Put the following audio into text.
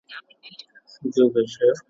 زده کړه مې په عملي میدان کې وکړه.